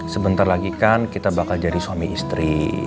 sebentar lagi kan kita bakal jadi suami istri